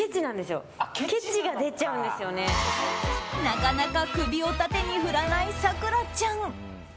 なかなか首を縦に振らない咲楽ちゃん。